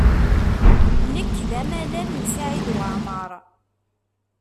Nekk d amalal n Saɛid Waɛmaṛ.